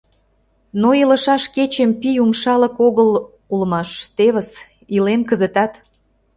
Но илышаш кечем пий умшалык огыл улмаш: тевыс, илем кызытат».